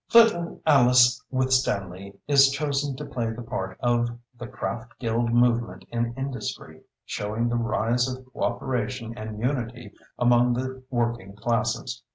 Little Alice Withstanley is chosen to play the part of the Craft Guild Movement in Industry, showing the rise of coöperation and unity among the working classes.